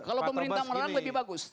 kalau pemerintah melarang lebih bagus